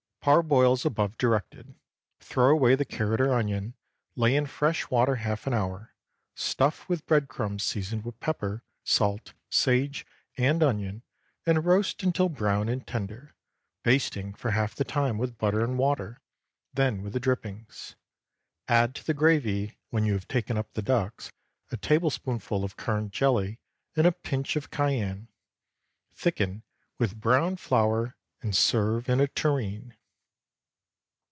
_) Parboil as above directed; throw away the carrot or onion, lay in fresh water half an hour; stuff with bread crumbs seasoned with pepper, salt, sage, and onion, and roast until brown and tender, basting for half the time with butter and water, then with the drippings. Add to the gravy, when you have taken up the ducks, a tablespoonful of currant jelly, and a pinch of cayenne. Thicken with browned flour and serve in a tureen.